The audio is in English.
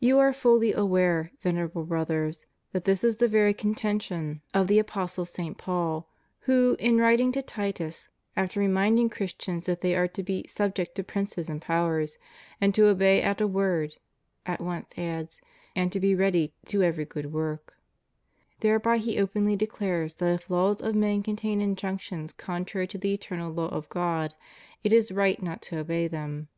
You are fully aware, Venerable Brothers, that this is the very contention of » 2 Timothy L 7. 186 CHIEF DUTIES OF CHRISTIANS AS CITIZENS. the Apostle St. Paul, who, in writing to Titus, after re minding Christians that they are to be subject to princes and powers, and to obey at a word, at once adds. And to be ready to every good work} Thereby he openly declares that if laws of men contain injunctions contrary to the eternal law of God, it is right not to obey them.